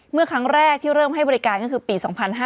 เมื่อครั้งแรกที่เริ่มให้บริการก็คือปี๒๕๕๙